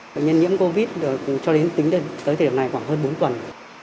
bệnh nhân nhiễm covid một mươi chín cho đến tính tới thời điểm này khoảng hơn bốn tuần